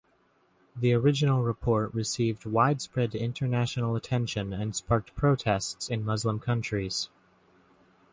The original report received widespread international attention and sparked protests in Muslim countries.